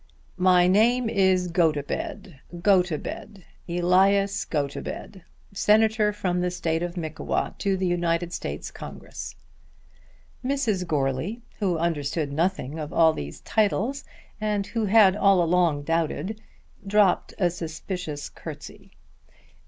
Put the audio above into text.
"My name is Gotobed; Gotobed; Elias Gotobed, Senator from the State of Mickewa to the United States Congress." Mrs. Goarly who understood nothing of all these titles, and who had all along doubted, dropped a suspicious curtsey.